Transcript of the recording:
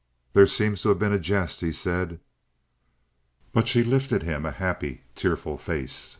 "There seems to have been a jest?" he said. But she lifted him a happy, tearful face.